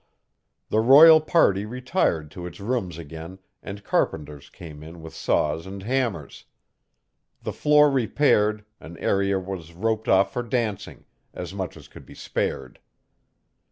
The royal party retired to its rooms again and carpenters came in with saws and hammers. The floor repaired, an area was roped off for dancing as much as could be spared.